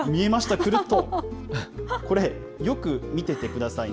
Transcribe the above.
くるっとこれ、よく見ててくださいね。